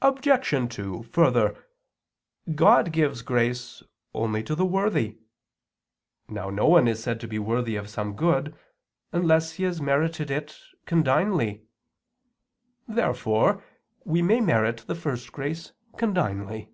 Obj. 2: Further, God gives grace only to the worthy. Now, no one is said to be worthy of some good, unless he has merited it condignly. Therefore we may merit the first grace condignly.